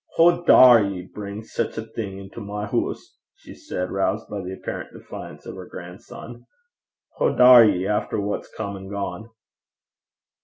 'Hoo daur ye bring sic a thing into my hoose?' she said, roused by the apparent defiance of her grandson. 'Hoo daur ye, efter what's come an' gane?'